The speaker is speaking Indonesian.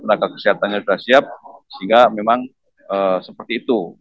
tenaga kesehatannya sudah siap sehingga memang seperti itu